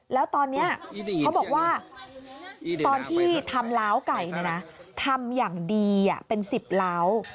แล้วตอนนี้เขาบอกว่าตอนที่ทำล้าวไก่ทำอย่างดีเป็น๑๐ล้าว